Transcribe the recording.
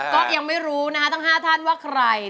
ก็ยังไม่รู้นะคะทั้ง๕ท่านว่าใคร